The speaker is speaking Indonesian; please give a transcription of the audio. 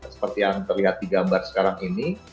seperti yang terlihat di gambar sekarang ini